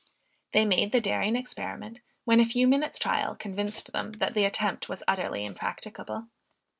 They made the daring experiment, when a few minutes' trial convinced them, that the attempt was utterly impracticable.